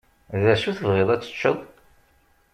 D acu tebɣiḍ ad teččeḍ?